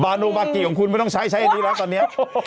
บารุบักษณ์ของคุณไม่ต้องใช้อันนี้แล้วก่อนเนี้ย